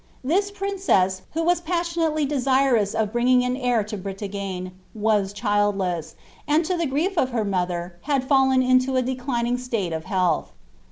This princess, who was pas rionately desirous of bringing an heir to Bretagne, was childless, and to ihe grief of her mother, md fallen into a declining state of health.